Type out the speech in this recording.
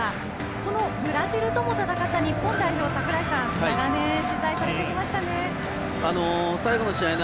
そのブラジルとも戦った日本代表を櫻井さんは長年取材されてきたそうですね。